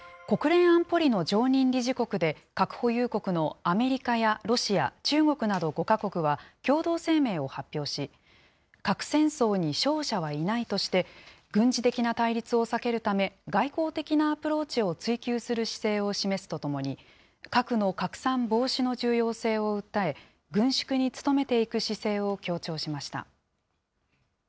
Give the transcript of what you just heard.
国連安保理の常任理事国で核保有国のアメリカやロシア、中国など５か国は、共同声明を発表し、核戦争に勝者はいないとして、軍事的な対立を避けるため、外交的なアプローチを追求する姿勢を示すとともに、核の拡散防止の重要性を訴え、軍縮に努めていく姿勢を強調しました。